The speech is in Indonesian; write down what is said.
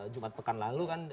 jumat pekan lalu kan